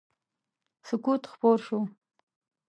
سکوت خپور شو.